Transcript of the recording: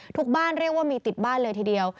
ทุกบ้านเรียกว่ามีติดบ้านเลยทีเดียว